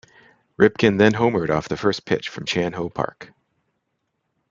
Ripken then homered off the first pitch from Chan Ho Park.